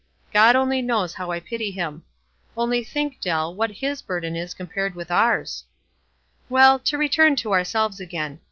God only knows how I pity him. Only think, Dell, what his burden is compared with ours ! 194 WISE AND OTHERWISE. "Well, to return to ourselves again.